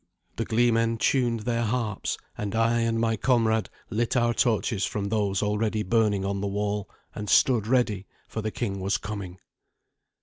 The gleemen tuned their harps, and I and my comrade lit our torches from those already burning on the wall, and stood ready, for the king was coming.